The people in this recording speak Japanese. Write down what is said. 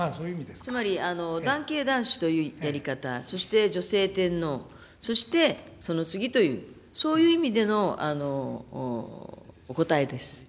つまり男系男子というやり方、そして女性天皇、そしてその次という、そういう意味でのお答えです。